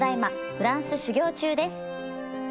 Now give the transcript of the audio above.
フランス修業中です」。